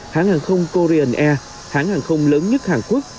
hãng hàng không corian air hãng hàng không lớn nhất hàn quốc